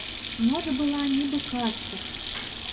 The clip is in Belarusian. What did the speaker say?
Ноч была, нібы казка.